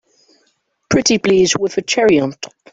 Pretty please with a cherry on top!